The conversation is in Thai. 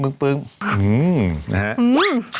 อืม